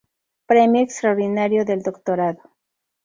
Premio Extraordinario del Doctorado.